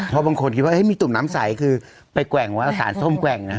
เพราะบางคนคิดว่ามีตุ่มน้ำใสคือไปแกว่งว่าสารส้มแกว่งนะ